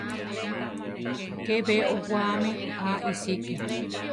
¿Ke be owáami a iʼsíki?